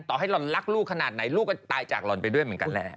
ต่อให้หล่อนรักลูกขนาดไหนลูกก็ตายจากหล่อนไปด้วยเหมือนกันแหละ